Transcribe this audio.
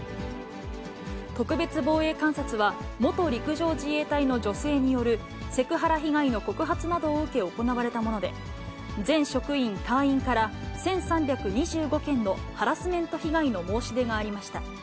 特別防衛監察は、元陸上自衛隊の女性によるセクハラ被害の告発などを受け行われたもので、全職員、隊員から、１３２５件のハラスメント被害の申し出がありました。